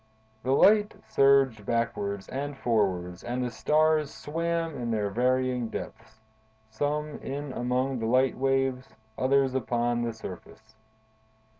The light surged backwards and forwards and the stars swam in their varying depths: some in among the light waves; others upon the surface.